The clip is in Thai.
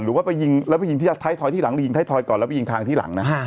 หรือว่าไปยิงแล้วไปยิงที่ท้ายทอยที่หลังหรือยิงท้ายทอยก่อนแล้วไปยิงคางที่หลังนะ